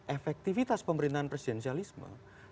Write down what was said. efektifitas pemerintahan presidensialisme